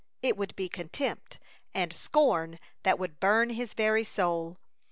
It would be contempt and scorn that would burn his very soul.